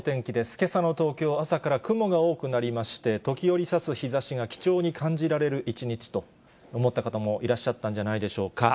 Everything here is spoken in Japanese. けさの東京、朝から雲が多くなりまして、時折さす日ざしが貴重に感じられる一日と思った方もいらっしゃったんじゃないでしょうか。